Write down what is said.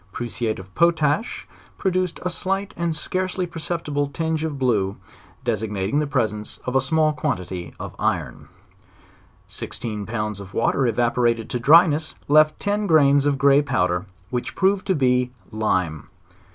Prusiate of potash pro duced a slight and scarcely perceptible tinge of bjue, desig nating the presence of a small quantity of iron. Sixteen pounds of water evaporated to dry ness, left ten grains of a grey powder, which proved to be lime.